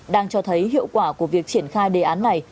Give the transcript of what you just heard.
đang cho thấy hiệu quả của việc triển khai đề án này